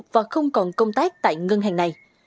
và không còn công tác tại ngân hàng này